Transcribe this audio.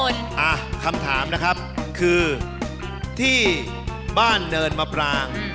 คำถามนะครับคือที่บ้านเนินมะปราง